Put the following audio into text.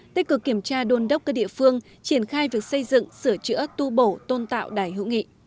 tích cực kiểm tra đôn đốc các địa phương triển khai việc xây dựng sửa chữa tu bổ tôn tạo đài hữu nghị